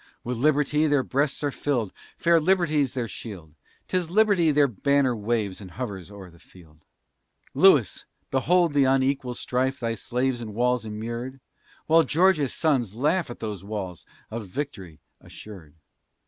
With Liberty their breasts are filled, Fair Liberty's their shield; 'Tis Liberty their banner waves And hovers o'er their field. Louis! behold the unequal strife, Thy slaves in walls immured! While George's sons laugh at those walls Of victory assured.